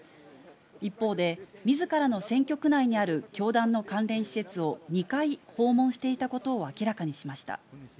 一方で、みずからの選挙区内にある教団の関連施設を２回訪問していたことを明らかにしました。